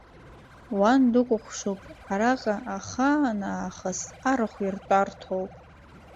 Уан дукәыхшоуп, араҟа ахаан аахыс арахә иртәарҭоуп.